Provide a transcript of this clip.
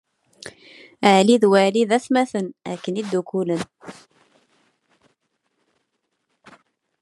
Ad nenheṛ arma d London.